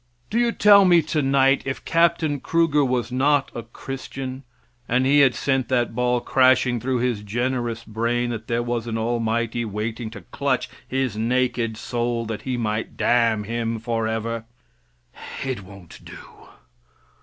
Do you tell me tonight if Captain Kruger was not a Christian and he had sent that ball crashing through his generous brain that there was an Almighty waiting to clutch his naked soul that He might damn him forever? It won't do.